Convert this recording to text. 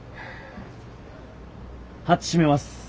ハッチ閉めます。